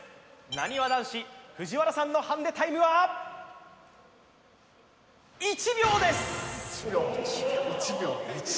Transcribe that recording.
なにわ男子・藤原さんのハンデタイムは１秒です